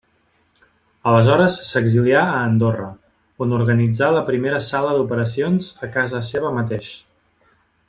Aleshores s'exilià a Andorra, on organitzà la primera sala d'operacions a casa seva mateix.